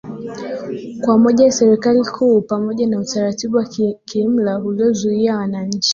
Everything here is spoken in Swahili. kwa moja na serikali kuu pamoja na utaratibu wa kiimla uliozuia wananchi